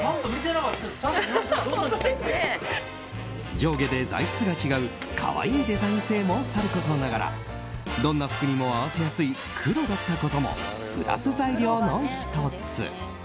上下で材質が違う可愛いデザイン性もさることながらどんな服にも合わせやすい黒だったこともプラス材料の１つ。